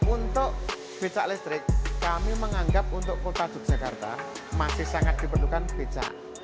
untuk becak listrik kami menganggap untuk kota yogyakarta masih sangat diperlukan becak